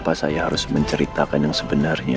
kenapa saya harus menceritakan yang sebenarnya